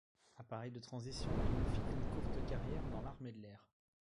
Appareil de transition, il ne fit qu'une courte carrière dans l'Armée de l'Air.